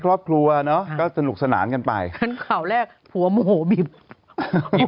ครอบครัวเนอะก็สนุกสนานกันไปงั้นข่าวแรกผัวโมโหบีบ